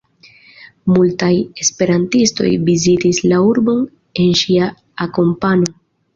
Multaj esperantistoj vizitis la urbon en ŝia akompano.